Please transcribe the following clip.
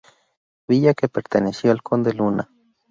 Villa que perteneció al Conde Luna.